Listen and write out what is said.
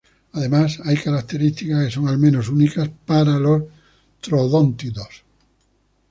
Además, hay características que son al menos únicas para los troodóntidos.